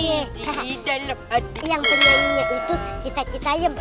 yang penyanyinya itu cita cita em